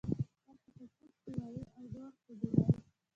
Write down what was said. ما په تابوت کې وړي او نور په ډولۍ.